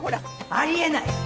ありえない！